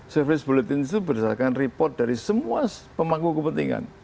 service bulletin itu berdasarkan report dari semua pemangku kepentingan